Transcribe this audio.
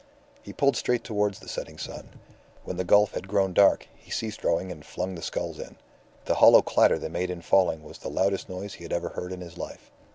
He pulled straight towards the setting sun. When the gulf had grown dark, he ceased rowing and flung the sculls in. The hollow clatter they made in falling was the loudest noise he had ever heard in his life.